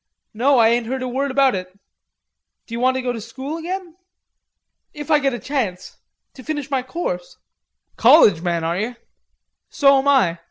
No I ain't heard a word about it. D'you want to go to school again?" "If I get a chance. To finish my course." "College man, are ye? So am I.